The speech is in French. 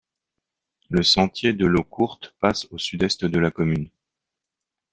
Le sentier de l'Eau Courte passe au sud-est de la commune.